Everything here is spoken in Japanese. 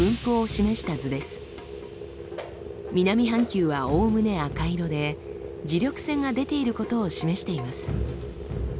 南半球はおおむね赤色で磁力線が出ていることを示しています。